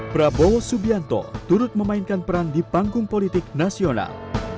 prabowo subianto turut memainkan peran di panggung politik nasional